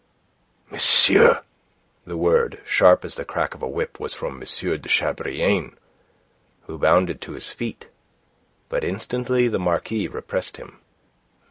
"Monsieur!" The word, sharp as the crack of a whip, was from M. de Chabrillane, who bounded to his feet. But instantly the Marquis repressed him.